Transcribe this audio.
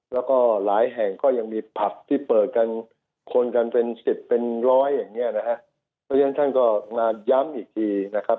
แรกฯอย่างนี้นะครับคุณท่านก็มาย้ำอีกทีนะครับ